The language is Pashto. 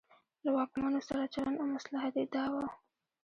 له واکمنو سره چلن او مصلحت یې دا و.